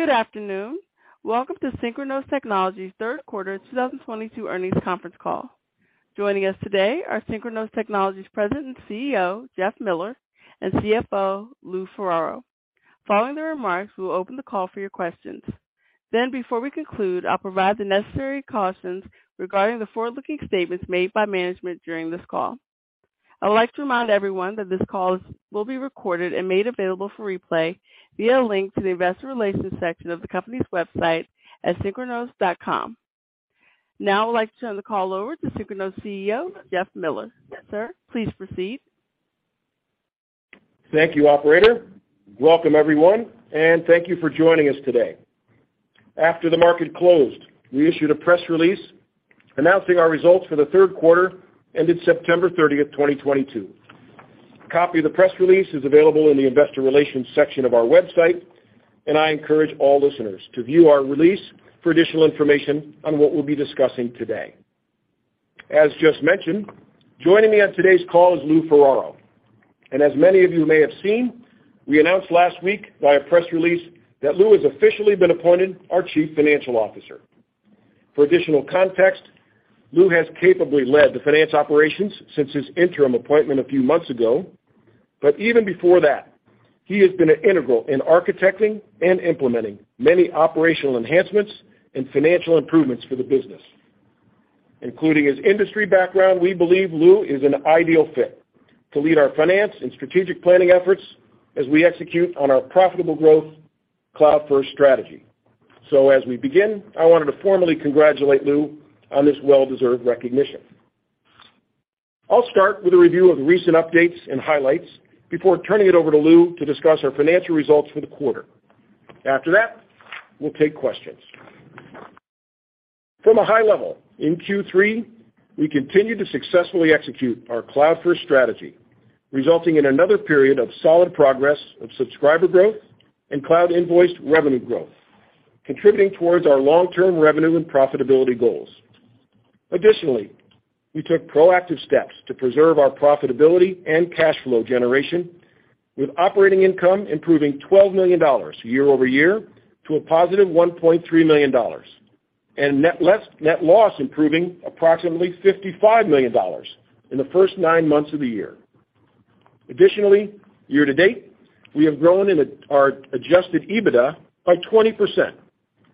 Good afternoon. Welcome to Synchronoss Technologies' third quarter of 2022 earnings conference call. Joining us today are Synchronoss Technologies President and CEO, Jeff Miller, and CFO, Lou Ferraro. Following the remarks, we will open the call for your questions. Then, before we conclude, I'll provide the necessary cautions regarding the forward-looking statements made by management during this call. I'd like to remind everyone that this call will be recorded and made available for replay via a link to the investor relations section of the company's website at synchronoss.com. Now I'd like to turn the call over to Synchronoss CEO, Jeff Miller. Sir, please proceed. Thank you, operator. Welcome everyone, and thank you for joining us today. After the market closed, we issued a press release announcing our results for the third quarter, ending September thirtieth, twenty twenty-two. A copy of the press release is available in the investor relations section of our website, and I encourage all listeners to view our release for additional information on what we'll be discussing today. As just mentioned, joining me on today's call is Lou Ferraro. As many of you may have seen, we announced last week via press release that Lou has officially been appointed our Chief Financial Officer. For additional context, Lou has capably led the finance operations since his interim appointment a few months ago. Even before that, he has been integral in architecting and implementing many operational enhancements and financial improvements for the business. Including his industry background, we believe Lou is an ideal fit to lead our finance and strategic planning efforts as we execute on our profitable growth cloud-first strategy. As we begin, I wanted to formally congratulate Lou on this well-deserved recognition. I'll start with a review of recent updates and highlights before turning it over to Lou to discuss our financial results for the quarter. After that, we'll take questions. From a high level, in Q3, we continued to successfully execute our cloud-first strategy, resulting in another period of solid progress of subscriber growth and cloud invoiced revenue growth, contributing towards our long-term revenue and profitability goals. We took proactive steps to preserve our profitability and cash flow generation, with operating income improving $12 million year-over-year to a positive $1.3 million, and net loss improving approximately $55 million in the first nine months of the year. Year to date, we have grown in our Adjusted EBITDA by 20%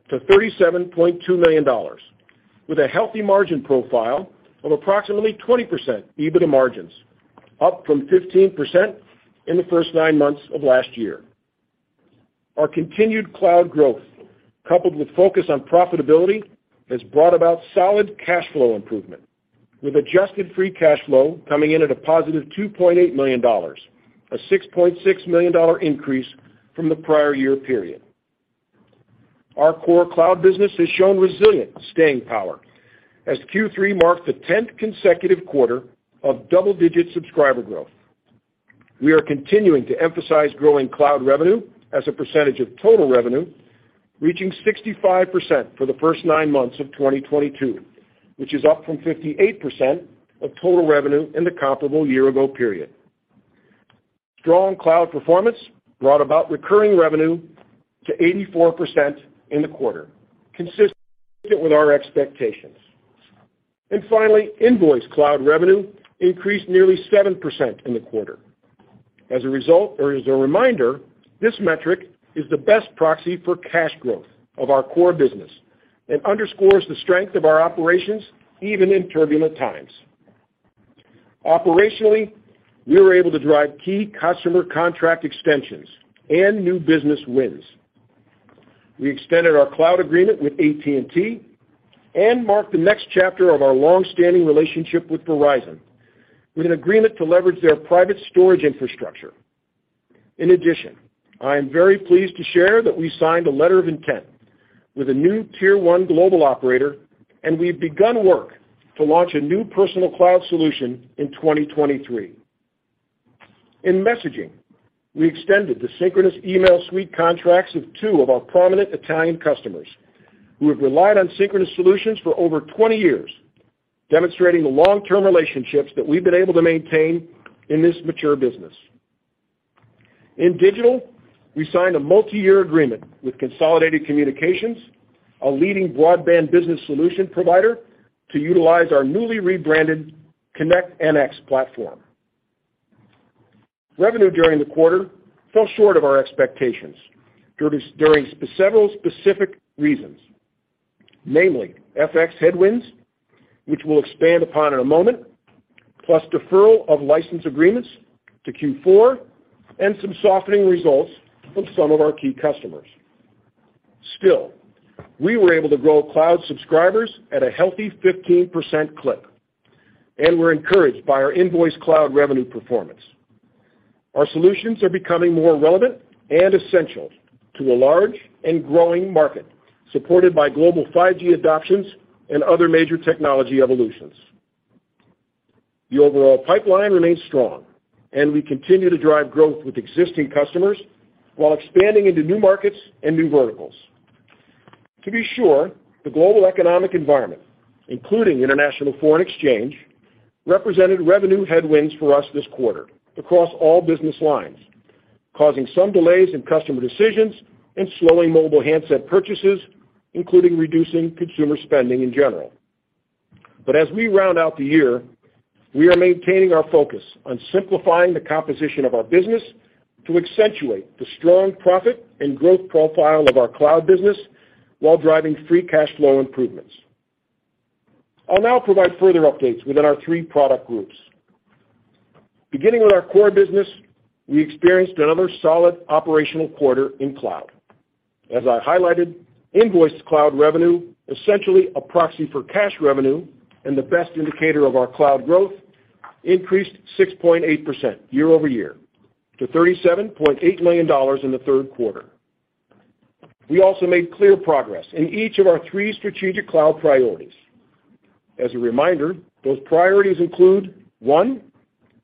to $37.2 million with a healthy margin profile of approximately 20% EBITDA margins, up from 15% in the first nine months of last year. Our continued cloud growth, coupled with focus on profitability, has brought about solid cash flow improvement, with adjusted free cash flow coming in at a positive $2.8 million, a $6.6 million increase from the prior year period. Our core cloud business has shown resilient staying power as Q3 marks the 10th consecutive quarter of double-digit subscriber growth. We are continuing to emphasize growing cloud revenue as a percentage of total revenue, reaching 65% for the first nine months of 2022, which is up from 58% of total revenue in the comparable year-ago period. Strong cloud performance brought about recurring revenue to 84% in the quarter, consistent with our expectations. Finally, invoice cloud revenue increased nearly 7% in the quarter. As a result, or as a reminder, this metric is the best proxy for cash growth of our core business and underscores the strength of our operations even in turbulent times. Operationally, we were able to drive key customer contract extensions and new business wins. We extended our cloud agreement with AT&T and marked the next chapter of our long-standing relationship with Verizon, with an agreement to leverage their private storage infrastructure. In addition, I am very pleased to share that we signed a letter of intent with a new tier one global operator, and we've begun work to launch a new personal cloud solution in 2023. In messaging, we extended the Synchronoss Email Suite contracts of two of our prominent Italian customers who have relied on Synchronoss solutions for over 20 years, demonstrating the long-term relationships that we've been able to maintain in this mature business. In digital, we signed a multi-year agreement with Consolidated Communications, a leading broadband business solution provider, to utilize our newly rebranded ConnectNX platform. Revenue during the quarter fell short of our expectations during several specific reasons, namely FX headwinds, which we'll expand upon in a moment, plus deferral of license agreements to Q4, and some softening results from some of our key customers. Still, we were able to grow cloud subscribers at a healthy 15% clip, and we're encouraged by our invoiced cloud revenue performance. Our solutions are becoming more relevant and essential to a large and growing market supported by global 5G adoptions and other major technology evolutions. The overall pipeline remains strong, and we continue to drive growth with existing customers while expanding into new markets and new verticals. To be sure, the global economic environment, including international foreign exchange, represented revenue headwinds for us this quarter across all business lines, causing some delays in customer decisions and slowing mobile handset purchases, including reducing consumer spending in general. As we round out the year, we are maintaining our focus on simplifying the composition of our business to accentuate the strong profit and growth profile of our cloud business while driving free cash flow improvements. I'll now provide further updates within our three product groups. Beginning with our core business, we experienced another solid operational quarter in cloud. As I highlighted, invoiced cloud revenue, essentially a proxy for cash revenue and the best indicator of our cloud growth, increased 6.8% year-over-year to $37.8 million in the third quarter. We also made clear progress in each of our three strategic cloud priorities. As a reminder, those priorities include, one,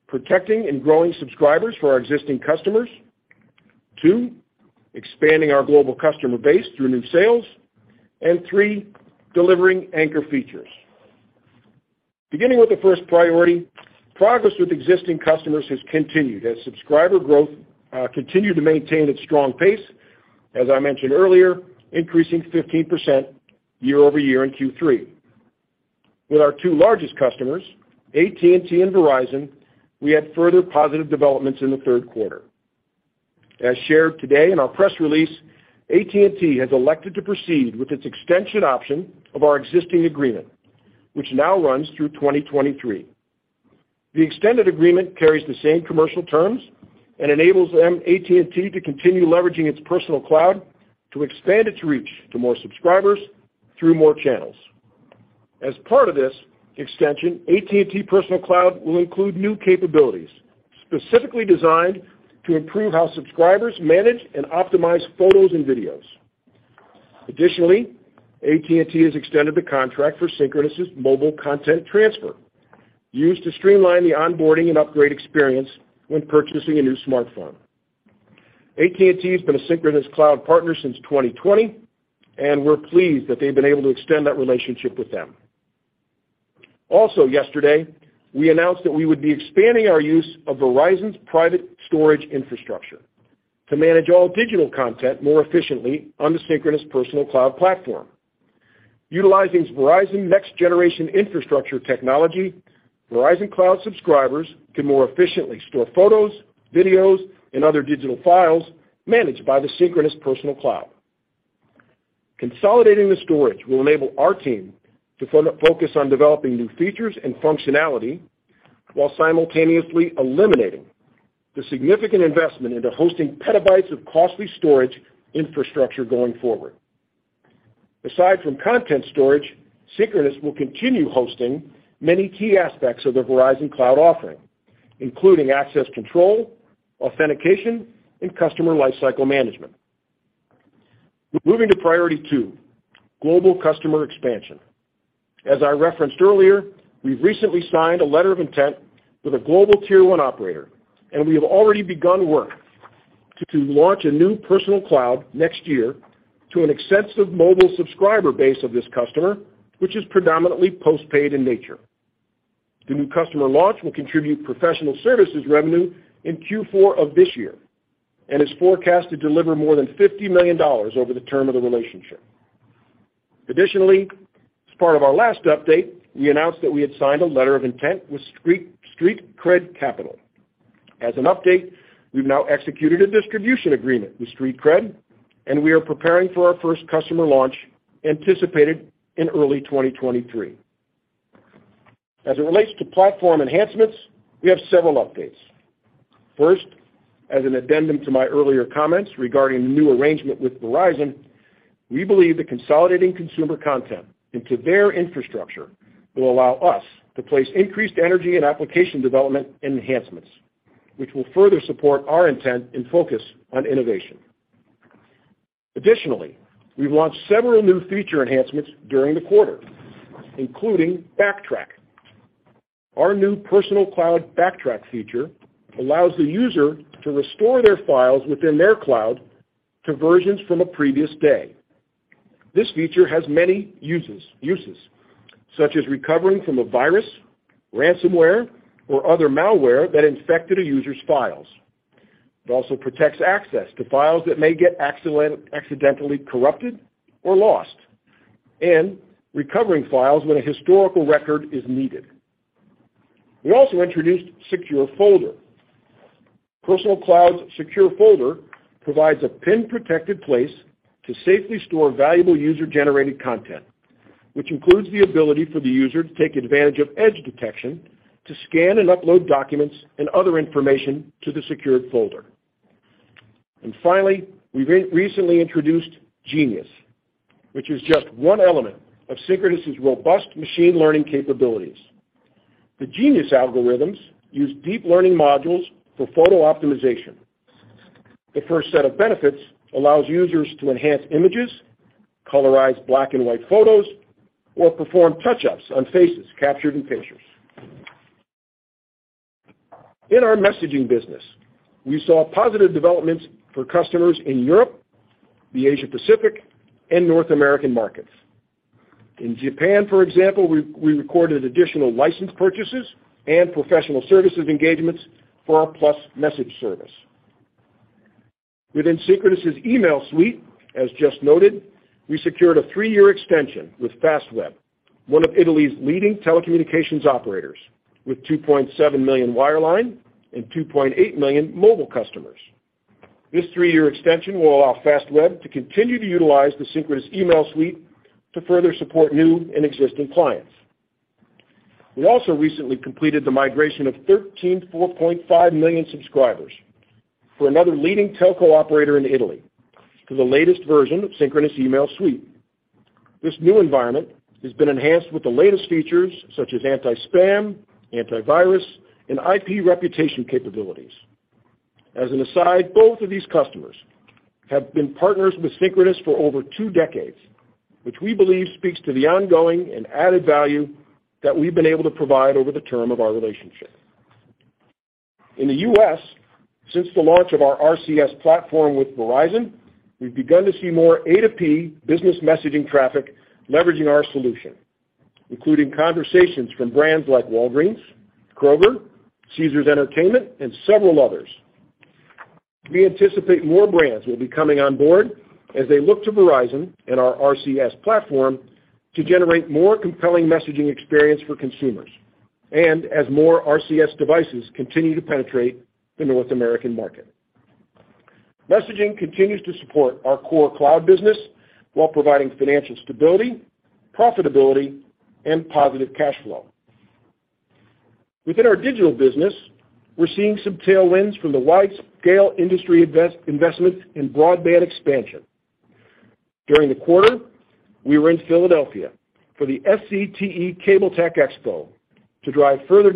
protecting and growing subscribers for our existing customers, two, expanding our global customer base through new sales, and three, delivering anchor features. Beginning with the first priority, progress with existing customers has continued as subscriber growth continued to maintain its strong pace, as I mentioned earlier, increasing 15% year over year in Q3. With our two largest customers, AT&T and Verizon, we had further positive developments in the third quarter. As shared today in our press release, AT&T has elected to proceed with its extension option of our existing agreement, which now runs through 2023. The extended agreement carries the same commercial terms and enables them, AT&T, to continue leveraging its Personal Cloud to expand its reach to more subscribers through more channels. As part of this extension, AT&T Personal Cloud will include new capabilities specifically designed to improve how subscribers manage and optimize photos and videos. Additionally, AT&T has extended the contract for Synchronoss Content Transfer, used to streamline the onboarding and upgrade experience when purchasing a new smartphone. AT&T has been a Synchronoss cloud partner since 2020, and we're pleased that they've been able to extend that relationship with them. Also yesterday, we announced that we would be expanding our use of Verizon's private storage infrastructure to manage all digital content more efficiently on the Synchronoss Personal Cloud platform. Utilizing Verizon next generation infrastructure technology, Verizon Cloud subscribers can more efficiently store photos, videos, and other digital files managed by the Synchronoss Personal Cloud. Consolidating the storage will enable our team to focus on developing new features and functionality while simultaneously eliminating the significant investment into hosting petabytes of costly storage infrastructure going forward. Aside from content storage, Synchronoss will continue hosting many key aspects of the Verizon Cloud offering, including access control, authentication, and customer lifecycle management. Moving to priority two, global customer expansion. As I referenced earlier, we've recently signed a letter of intent with a global tier one operator, and we have already begun work to launch a new Personal Cloud next year to an extensive mobile subscriber base of this customer, which is predominantly post-paid in nature. The new customer launch will contribute professional services revenue in Q4 of this year and is forecast to deliver more than $50 million over the term of the relationship. Additionally, as part of our last update, we announced that we had signed a letter of intent with Street Cred Capital. As an update, we've now executed a distribution agreement with Street Cred Capital, and we are preparing for our first customer launch anticipated in early 2023. As it relates to platform enhancements, we have several updates. First, as an addendum to my earlier comments regarding the new arrangement with Verizon, we believe that consolidating consumer content into their infrastructure will allow us to place increased energy and application development enhancements, which will further support our intent and focus on innovation. Additionally, we've launched several new feature enhancements during the quarter, including BackTrack. Our new Personal Cloud BackTrack feature allows the user to restore their files within their cloud to versions from a previous day. This feature has many uses such as recovering from a virus, ransomware, or other malware that infected a user's files. It also protects access to files that may get accidentally corrupted or lost and recovering files when a historical record is needed. We also introduced Secure Folder. Personal Cloud's Secure Folder provides a PIN-protected place to safely store valuable user-generated content, which includes the ability for the user to take advantage of edge detection to scan and upload documents and other information to the Secure Folder. Finally, we recently introduced Genius, which is just one element of Synchronoss's robust machine learning capabilities. The Genius algorithms use deep learning modules for photo optimization. The first set of benefits allows users to enhance images, colorize black and white photos, or perform touch-ups on faces captured in pictures. In our messaging business, we saw positive developments for customers in Europe, the Asia Pacific, and North American markets. In Japan, for example, we recorded additional license purchases and professional services engagements for our +Message service. Within Synchronoss' Email Suite, as just noted, we secured a three-year extension with Fastweb, one of Italy's leading telecommunications operators, with 2.7 million wireline and 2.8 million mobile customers. This three-year extension will allow Fastweb to continue to utilize the Synchronoss' Email Suite to further support new and existing clients. We also recently completed the migration of 13.45 million subscribers for another leading telco operator in Italy to the latest version of Synchronoss' Email Suite. This new environment has been enhanced with the latest features such as anti-spam, antivirus, and IP reputation capabilities. As an aside, both of these customers have been partners with Synchronoss for over two decades, which we believe speaks to the ongoing and added value that we've been able to provide over the term of our relationship. In the U.S., since the launch of our RCS platform with Verizon, we've begun to see more A2P business messaging traffic leveraging our solution, including conversations from brands like Walgreens, Kroger, Caesars Entertainment, and several others. We anticipate more brands will be coming on board as they look to Verizon and our RCS platform to generate more compelling messaging experience for consumers and as more RCS devices continue to penetrate the North American market. Messaging continues to support our core cloud business while providing financial stability, profitability, and positive cash flow. Within our digital business, we're seeing some tailwinds from the wide-scale industry investments in broadband expansion. During the quarter, we were in Philadelphia for the SCTE Cable-Tec Expo to drive further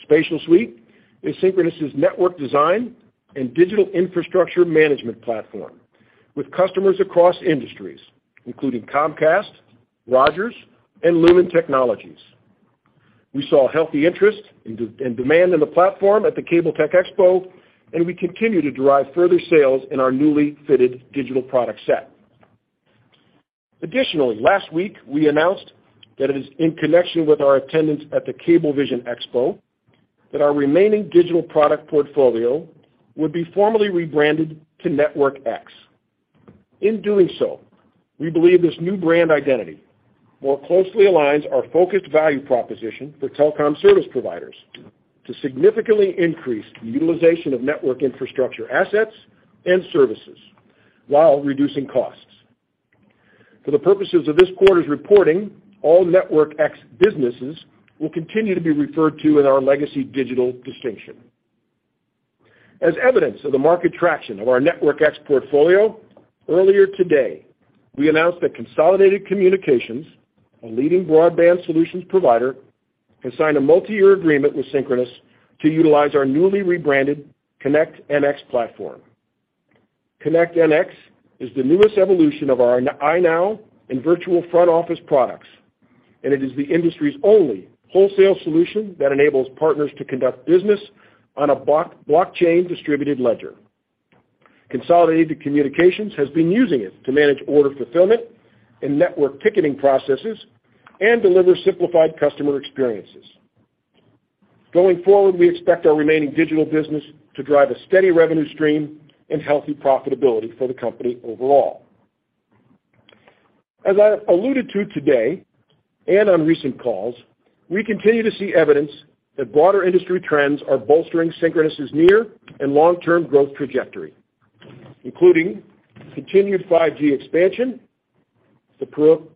development and demand on our SpatialSUITE platform. SpatialSUITE is Synchronoss is network design and digital infrastructure management platform, with customers across industries, including Comcast, Rogers, and Lumen Technologies. We saw healthy interest in demand in the platform at the Cable-Tec Expo, and we continue to drive further sales in our newly fitted digital product set. Additionally, last week, we announced that it is in connection with our attendance at the Cable Vision Expo that our remaining digital product portfolio would be formally rebranded to NetworkX. In doing so, we believe this new brand identity more closely aligns our focused value proposition for telecom service providers to significantly increase the utilization of network infrastructure assets and services while reducing costs. For the purposes of this quarter's reporting, all NetworkX businesses will continue to be referred to in our legacy digital distinction. As evidence of the market traction of our NetworkX portfolio, earlier today, we announced that Consolidated Communications, a leading broadband solutions provider, has signed a multiyear agreement with Synchronoss to utilize our newly rebranded ConnectNX platform. ConnectNX is the newest evolution of our iNOW and Virtual Front Office products, and it is the industry's only wholesale solution that enables partners to conduct business on a blockchain distributed ledger. Consolidated Communications has been using it to manage order fulfillment and network ticketing processes and deliver simplified customer experiences. Going forward, we expect our remaining digital business to drive a steady revenue stream and healthy profitability for the company overall. As I have alluded to today and on recent calls, we continue to see evidence that broader industry trends are bolstering Synchronoss is near and long-term growth trajectory, including continued 5G expansion, the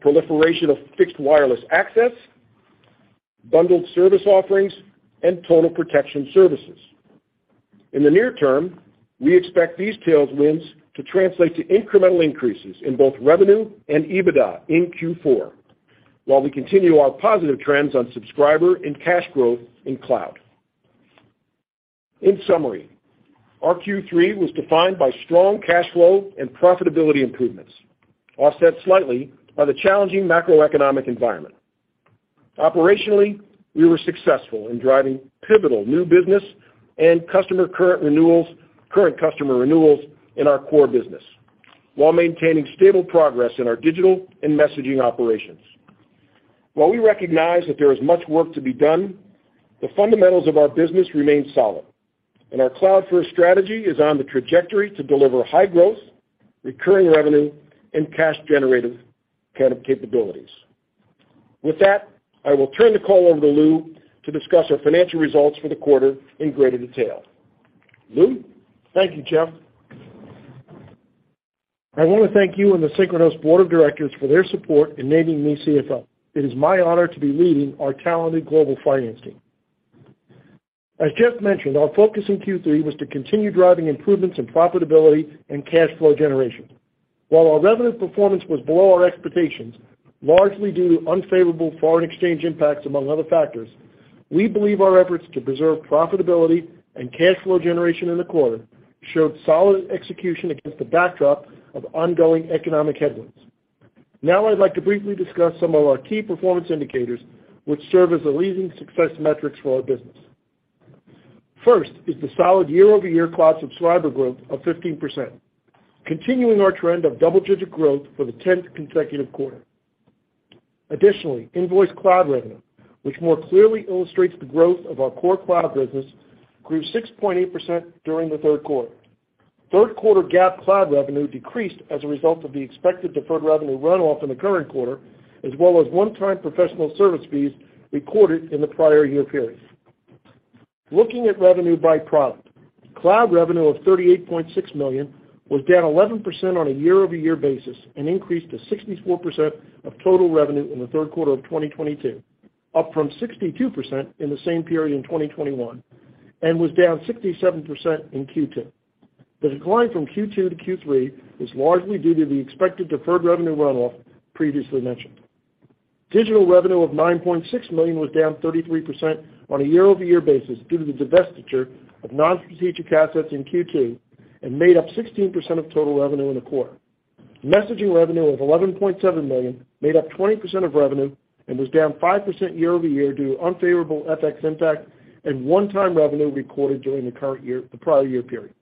proliferation of fixed wireless access, bundled service offerings, and total protection services. In the near term, we expect these tailwinds to translate to incremental increases in both revenue and EBITDA in Q4, while we continue our positive trends on subscriber and cash growth in cloud. In summary, our Q3 was defined by strong cash flow and profitability improvements, offset slightly by the challenging macroeconomic environment. Operationally, we were successful in driving pivotal new business and current customer renewals in our core business while maintaining stable progress in our digital and messaging operations. While we recognize that there is much work to be done, the fundamentals of our business remain solid, and our cloud-first strategy is on the trajectory to deliver high growth, recurring revenue, and cash generative kind of capabilities. With that, I will turn the call over to Lou to discuss our financial results for the quarter in greater detail. Lou. Thank you, Jeff. I wanna thank you and the Synchronoss board of directors for their support in naming me CFO. It is my honor to be leading our talented global finance team. As Jeff mentioned, our focus in Q3 was to continue driving improvements in profitability and cash flow generation. While our revenue performance was below our expectations, largely due to unfavorable foreign exchange impacts among other factors. We believe our efforts to preserve profitability and cash flow generation in the quarter showed solid execution against the backdrop of ongoing economic headwinds. Now I'd like to briefly discuss some of our key performance indicators, which serve as the leading success metrics for our business. First is the solid year-over-year cloud subscriber growth of 15%, continuing our trend of double-digit growth for the 10th consecutive quarter. Additionally, invoiced cloud revenue, which more clearly illustrates the growth of our core cloud business, grew 6.8% during the third quarter. Third quarter GAAP cloud revenue decreased as a result of the expected deferred revenue runoff in the current quarter, as well as one-time professional service fees recorded in the prior year period. Looking at revenue by product, cloud revenue of $38.6 million was down 11% on a year-over-year basis, an increase to 64% of total revenue in the third quarter of 2022, up from 62% in the same period in 2021, and was down 67% in Q2. The decline from Q2 to Q3 was largely due to the expected deferred revenue runoff previously mentioned. Digital revenue of $9.6 million was down 33% on a year-over-year basis due to the divestiture of non-strategic assets in Q2 and made up 16% of total revenue in the quarter. Messaging revenue of $11.7 million made up 20% of revenue and was down 5% year-over-year due to unfavorable FX impact and one-time revenue recorded during the current year, the prior year period.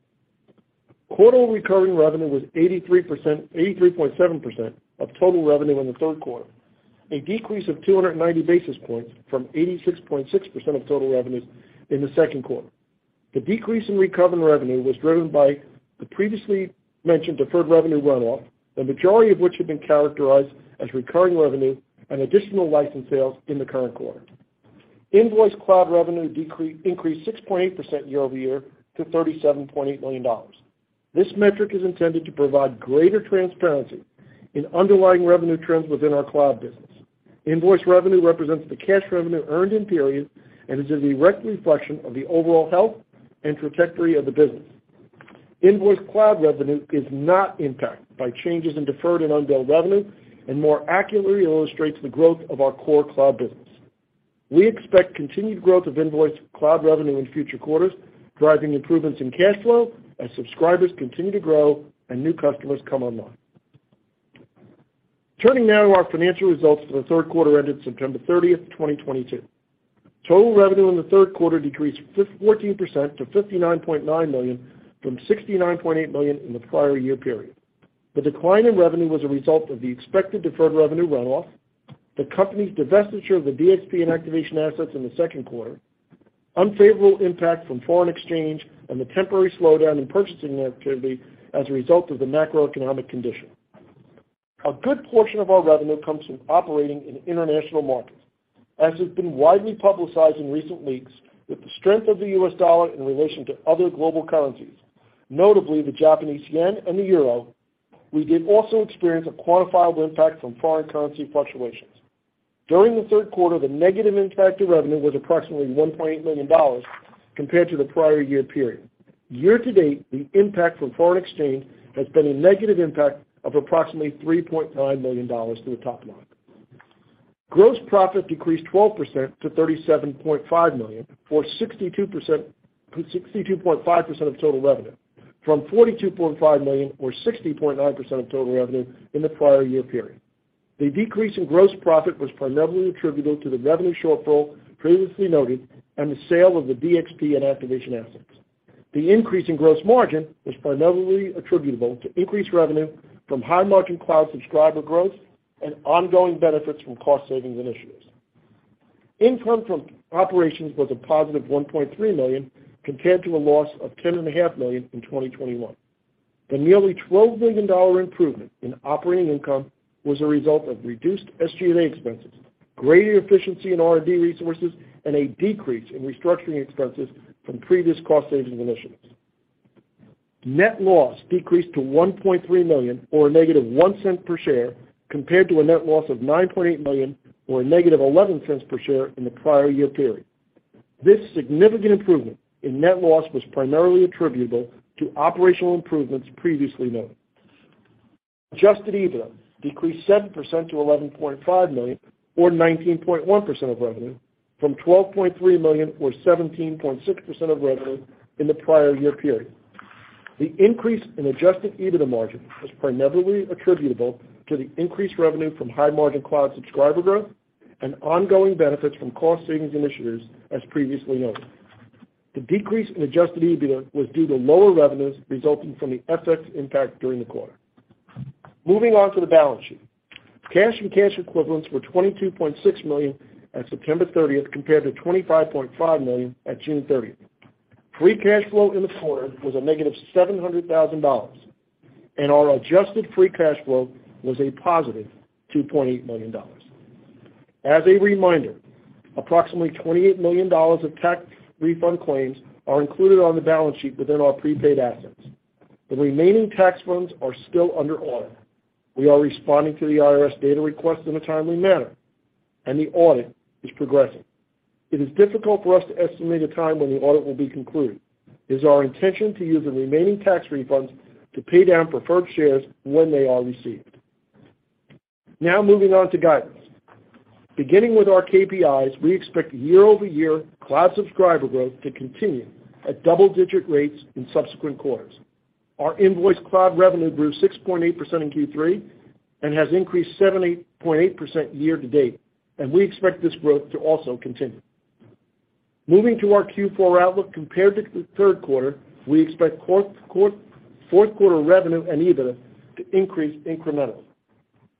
Quarterly recurring revenue was 83.7% of total revenue in the third quarter, a decrease of 290 basis points from 86.6% of total revenues in the second quarter. The decrease in recurring revenue was driven by the previously mentioned deferred revenue runoff, the majority of which have been characterized as recurring revenue and additional license sales in the current quarter. Invoiced cloud revenue increased 6.8% year-over-year to $37.8 million. This metric is intended to provide greater transparency in underlying revenue trends within our cloud business. Invoice revenue represents the cash revenue earned in period and is a direct reflection of the overall health and trajectory of the business. Invoice cloud revenue is not impacted by changes in deferred and unbilled revenue and more accurately illustrates the growth of our core cloud business. We expect continued growth of invoiced cloud revenue in future quarters, driving improvements in cash flow as subscribers continue to grow and new customers come online. Turning now to our financial results for the third quarter ended September 30, 2022. Total revenue in the third quarter decreased 14% to $59.9 million from $69.8 million in the prior year period. The decline in revenue was a result of the expected deferred revenue runoff, the company's divestiture of the DXP and Activation assets in the second quarter, unfavorable impact from foreign exchange, and the temporary slowdown in purchasing activity as a result of the macroeconomic condition. A good portion of our revenue comes from operating in international markets. As has been widely publicized in recent weeks, with the strength of the U.S. dollar in relation to other global currencies, notably the Japanese yen and the euro, we did also experience a quantifiable impact from foreign currency fluctuations. During the third quarter, the negative impact to revenue was approximately $1.8 million compared to the prior year period. Year-to-date, the impact from foreign exchange has been a negative impact of approximately $3.9 million to the top line. Gross profit decreased 12% to $37.5 million, or 62.5% of total revenue, from $42.5 million or 60.9% of total revenue in the prior year period. The decrease in gross profit was primarily attributable to the revenue shortfall previously noted and the sale of the DXP and Activation Solutions. The increase in gross margin was primarily attributable to increased revenue from high-margin cloud subscriber growth and ongoing benefits from cost savings initiatives. Income from operations was a positive $1.3 million, compared to a loss of $10.5 million in 2021. The nearly $12 million dollar improvement in operating income was a result of reduced SG&A expenses, greater efficiency in R&D resources, and a decrease in restructuring expenses from previous cost savings initiatives. Net loss decreased to $1.3 million or a negative $0.01 per share, compared to a net loss of $9.8 million or a negative $0.11 per share in the prior year period. This significant improvement in net loss was primarily attributable to operational improvements previously noted. Adjusted EBITDA decreased 7% to $11.5 million or 19.1% of revenue from $12.3 million or 17.6% of revenue in the prior year period. The increase in Adjusted EBITDA margin was primarily attributable to the increased revenue from high-margin cloud subscriber growth and ongoing benefits from cost savings initiatives as previously noted. The decrease in Adjusted EBITDA was due to lower revenues resulting from the FX impact during the quarter. Moving on to the balance sheet. Cash and cash equivalents were $22.6 million at September 30th, compared to $25.5 million at June 30th. Free cash flow in the quarter was a -$700,000, and our adjusted free cash flow was a +$2.8 million. As a reminder, approximately $28 million of tax refund claims are included on the balance sheet within our prepaid assets. The remaining tax refunds are still under audit. We are responding to the IRS data requests in a timely manner, and the audit is progressing. It is difficult for us to estimate a time when the audit will be concluded. It is our intention to use the remaining tax refunds to pay down preferred shares when they are received. Now moving on to guidance. Beginning with our KPIs, we expect year-over-year cloud subscriber growth to continue at double-digit rates in subsequent quarters. Our invoice cloud revenue grew 6.8% in Q3 and has increased 70.8% year-to-date, and we expect this growth to also continue. Moving to our Q4 outlook compared to the third quarter, we expect fourth quarter revenue and EBITDA to increase incrementally.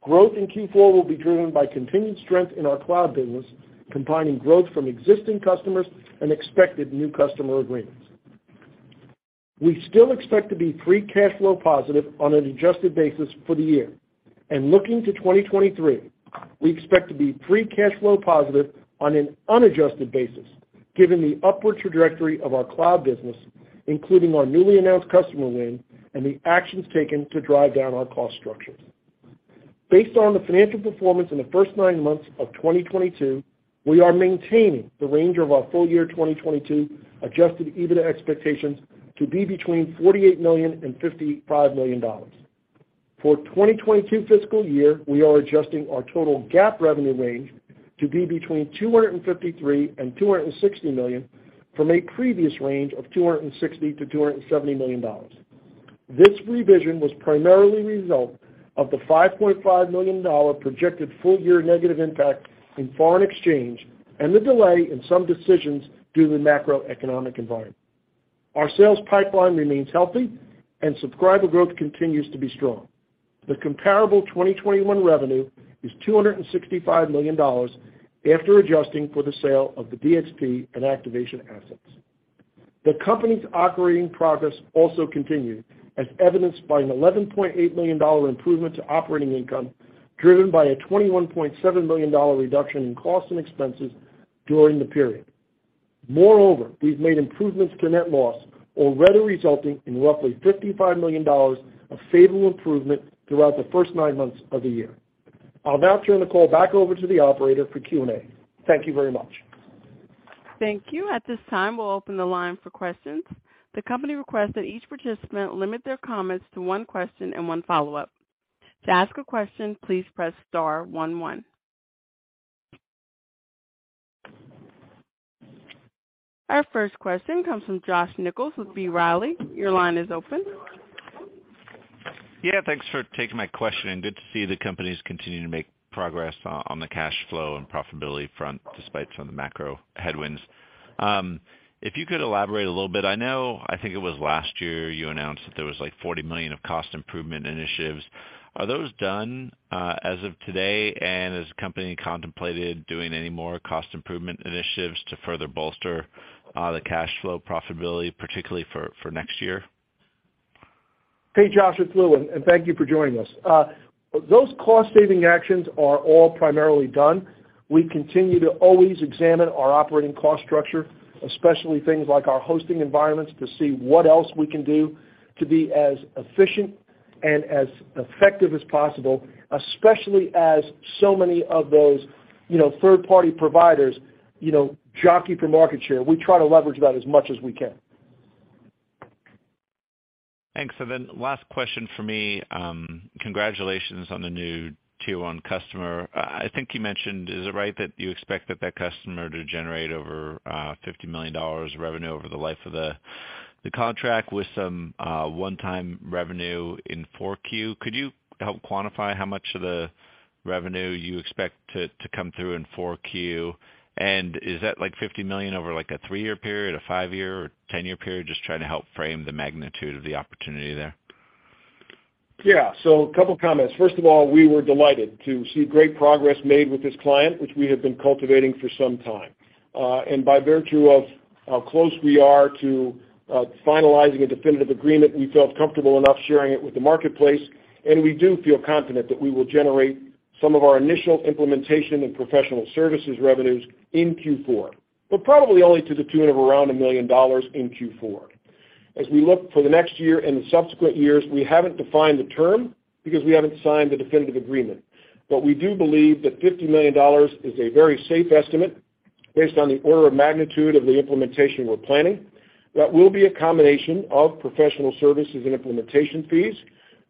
Growth in Q4 will be driven by continued strength in our cloud business, combining growth from existing customers and expected new customer agreements. We still expect to be free cash flow positive on an adjusted basis for the year. Looking to 2023, we expect to be free cash flow positive on an unadjusted basis given the upward trajectory of our cloud business, including our newly announced customer win and the actions taken to drive down our cost structures. Based on the financial performance in the first nine months of 2022, we are maintaining the range of our full year 2022 Adjusted EBITDA expectations to be between $48 million and $55 million. For 2022 fiscal year, we are adjusting our total GAAP revenue range to be between $253 million and $260 million from a previous range of $260 million-$270 million. This revision was primarily the result of the $5.5 million projected full year negative impact in foreign exchange and the delay in some decisions due to the macroeconomic environment. Our sales pipeline remains healthy and subscriber growth continues to be strong. The comparable 2021 revenue is $265 million after adjusting for the sale of the DXP and Activation assets. The company's operating progress also continued, as evidenced by an $11.8 million improvement to operating income, driven by a $21.7 million reduction in costs and expenses during the period. Moreover, we've made improvements to net loss, already resulting in roughly $55 million of favorable improvement throughout the first nine months of the year. I'll now turn the call back over to the operator for Q&A. Thank you very much. Thank you. At this time, we'll open the line for questions. The company requests that each participant limit their comments to one question and one follow-up. To ask a question, please press star one one. Our first question comes from Josh Nichols with B. Riley. Your line is open. Yeah, thanks for taking my question and good to see the company's continuing to make progress on the cash flow and profitability front despite some of the macro headwinds. If you could elaborate a little bit, I know I think it was last year you announced that there was like $40 million of cost improvement initiatives. Are those done, as of today? Has the company contemplated doing any more cost improvement initiatives to further bolster the cash flow profitability, particularly for next year? Hey, Josh, it's Lou, and thank you for joining us. Those cost saving actions are all primarily done. We continue to always examine our operating cost structure, especially things like our hosting environments, to see what else we can do to be as efficient and as effective as possible, especially as so many of those, you know, third-party providers, you know, jockey for market share. We try to leverage that as much as we can. Thanks. Last question from me. Congratulations on the new Tier 1 customer. I think you mentioned, is it right that you expect that customer to generate over $50 million of revenue over the life of the contract with some one-time revenue in 4Q? Could you help quantify how much of the revenue you expect to come through in 4Q? And is that like $50 million over like a three-year period, a five-year or 10-year period? Just trying to help frame the magnitude of the opportunity there. Yeah. A couple of comments. First of all, we were delighted to see great progress made with this client, which we have been cultivating for some time. And by virtue of how close we are to finalizing a definitive agreement, we felt comfortable enough sharing it with the marketplace, and we do feel confident that we will generate some of our initial implementation and professional services revenues in Q4, but probably only to the tune of around $1 million in Q4. As we look for the next year and the subsequent years, we haven't defined the term because we haven't signed the definitive agreement. We do believe that $50 million is a very safe estimate based on the order of magnitude of the implementation we're planning. That will be a combination of professional services and implementation fees,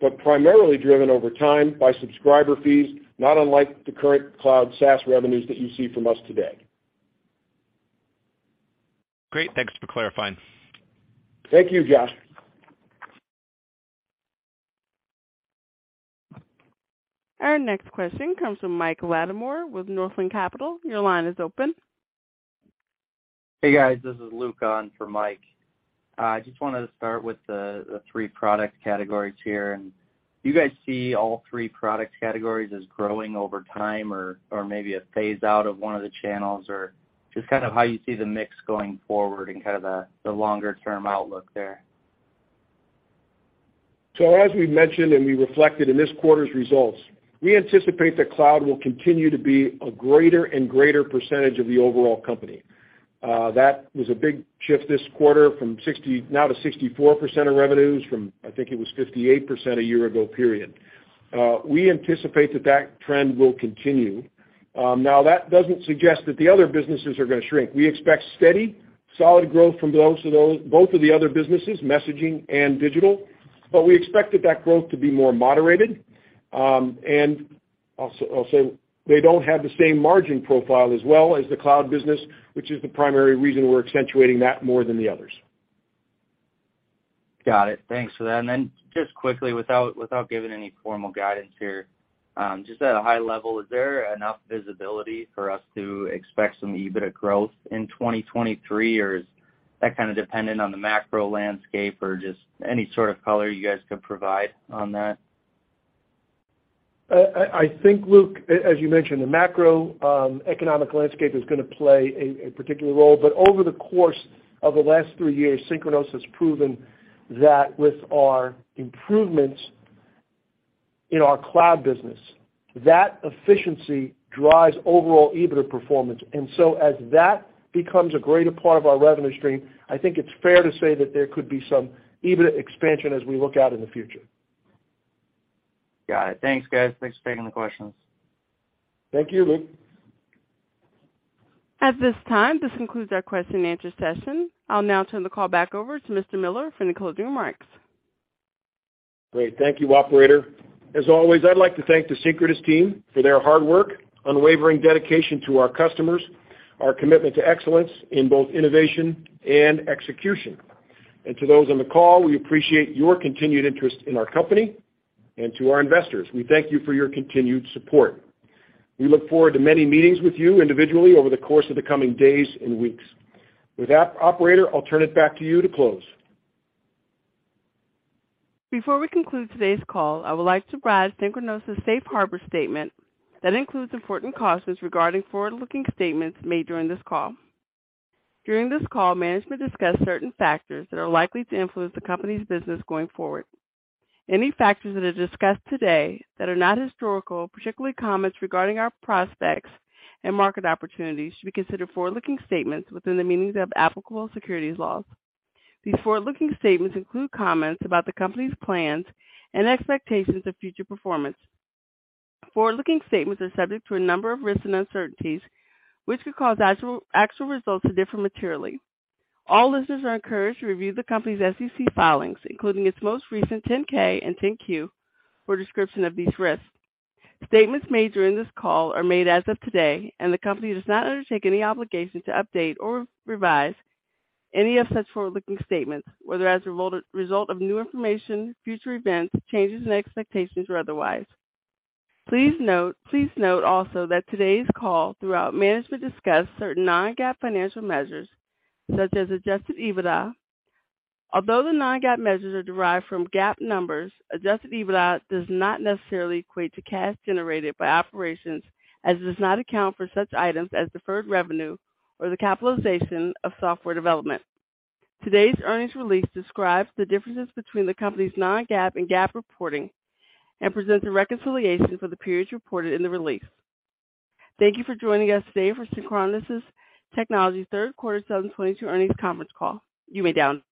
but primarily driven over time by subscriber fees, not unlike the current cloud SaaS revenues that you see from us today. Great. Thanks for clarifying. Thank you, Josh. Our next question comes from Michael Latimore with Northland Capital Markets. Your line is open. Hey, guys, this is Luke on for Mike. I just wanted to start with the three product categories here, and do you guys see all three product categories as growing over time or maybe a phase out of one of the channels, or just kind of how you see the mix going forward and kind of the longer-term outlook there? As we mentioned and we reflected in this quarter's results, we anticipate that cloud will continue to be a greater and greater percentage of the overall company. That was a big shift this quarter from 60% now to 64% of revenues, from I think it was 58% a year ago period. We anticipate that that trend will continue. Now that doesn't suggest that the other businesses are gonna shrink. We expect steady, solid growth from both of the other businesses, messaging and digital. But we expected that growth to be more moderated. And also, they don't have the same margin profile as well as the cloud business, which is the primary reason we're accentuating that more than the others. Got it. Thanks for that. Just quickly, without giving any formal guidance here, just at a high level, is there enough visibility for us to expect some EBIT growth in 2023, or is that kinda dependent on the macro landscape or just any sort of color you guys could provide on that? I think, Luke, as you mentioned, the macroeconomic landscape is gonna play a particular role. Over the course of the last three years, Synchronoss has proven that with our improvements in our cloud business, that efficiency drives overall EBIT performance. As that becomes a greater part of our revenue stream, I think it's fair to say that there could be some EBIT expansion as we look out in the future. Got it. Thanks, guys. Thanks for taking the questions. Thank you, Luke. At this time, this concludes our question-and-answer session. I'll now turn the call back over to Mr. Miller for any closing remarks. Great. Thank you, operator. As always, I'd like to thank the Synchronoss team for their hard work, unwavering dedication to our customers, our commitment to excellence in both innovation and execution. To those on the call, we appreciate your continued interest in our company. To our investors, we thank you for your continued support. We look forward to many meetings with you individually over the course of the coming days and weeks. With that, operator, I'll turn it back to you to close. Before we conclude today's call, I would like to provide Synchronoss' safe harbor statement that includes important cautions regarding forward-looking statements made during this call. During this call, management discussed certain factors that are likely to influence the company's business going forward. Any factors that are discussed today that are not historical, particularly comments regarding our prospects and market opportunities, should be considered forward-looking statements within the meanings of applicable securities laws. These forward-looking statements include comments about the company's plans and expectations of future performance. Forward-looking statements are subject to a number of risks and uncertainties, which could cause actual results to differ materially. All listeners are encouraged to review the company's SEC filings, including its most recent 10-K and 10-Q, for a description of these risks. Statements made during this call are made as of today, and the company does not undertake any obligation to update or revise any of such forward-looking statements, whether as a result of new information, future events, changes in expectations or otherwise. Please note also that throughout today's call, management will discuss certain non-GAAP financial measures, such as Adjusted EBITDA. Although the non-GAAP measures are derived from GAAP numbers, Adjusted EBITDA does not necessarily equate to cash generated by operations as it does not account for such items as deferred revenue or the capitalization of software development. Today's earnings release describes the differences between the company's non-GAAP and GAAP reporting and presents a reconciliation for the periods reported in the release. Thank you for joining us today for Synchronoss Technologies third quarter 2022 earnings conference call. You may disconnect.